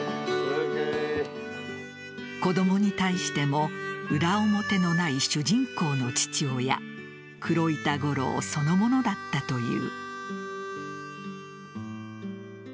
子供に対しても裏表のない主人公の父親黒板五郎そのものだったという。